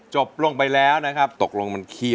หวังเธอเป็นยารักษายังดูไม่ดี